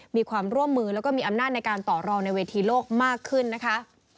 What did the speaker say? มีความร่วมมือแล้วก็มีอำนาจในการต่อรองในเวทีโลกมากขึ้นนะคะ